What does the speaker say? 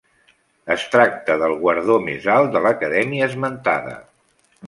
Es tracta del guardó més alt de l'Acadèmia esmentada.